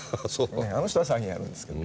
あの人はサーフィンやるんですけど。